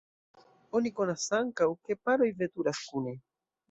Oni konas ankaŭ, ke paroj veturas kune.